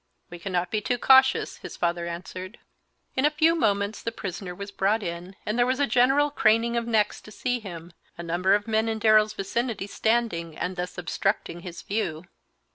"We cannot be too cautious," his father answered. In a few moments the prisoner was brought in, and there was a general craning of necks to see him, a number of men in Darrell's vicinity standing and thus obstructing his view.